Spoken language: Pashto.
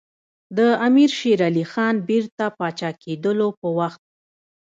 د امیر شېر علي خان بیرته پاچا کېدلو په وخت.